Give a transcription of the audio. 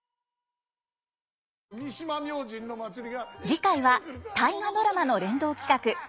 次回は「大河ドラマ」の連動企画。